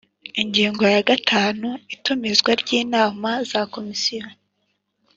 Ingingo ya gatanu Itumizwa ry inama za Komisiyo